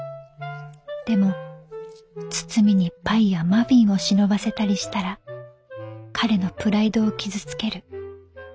でも包みにパイやマフィンを忍ばせたりしたら彼のプライドを傷つける。